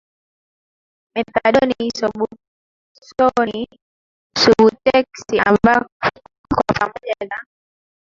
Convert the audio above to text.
methadoni suboksoni subuteksi ambazo kwa pamoja za